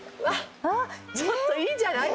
ちょっといいんじゃない？